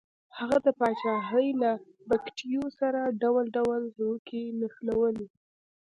هغه د پاچاهۍ له بګتیو سره ډول ډول سروکي نښلوي.